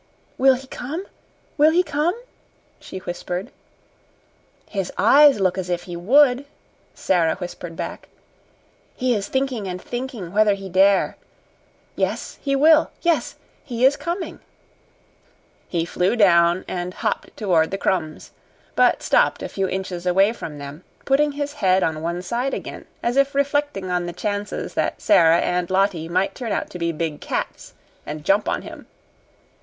"Will he come? Will he come?" she whispered. "His eyes look as if he would," Sara whispered back. "He is thinking and thinking whether he dare. Yes, he will! Yes, he is coming!" He flew down and hopped toward the crumbs, but stopped a few inches away from them, putting his head on one side again, as if reflecting on the chances that Sara and Lottie might turn out to be big cats and jump on him.